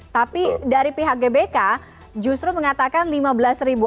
tapi dari pihak gbk justru mengatakan lima belas ribu